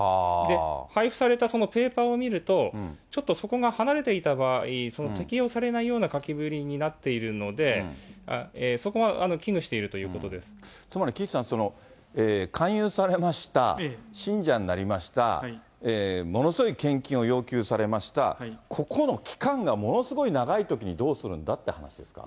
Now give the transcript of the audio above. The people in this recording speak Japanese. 配布されたペーパーを見ると、ちょっとそこが離れていた場合、適用されないような書きぶりになっているので、つまり、岸さん、勧誘されました、信者になりました、ものすごい献金を要求されました、ここの期間がものすごい長いときにどうするんだっていう話ですか。